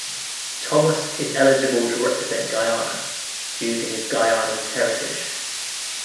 Thomas is eligible to represent Guyana due to his Guyanese heritage.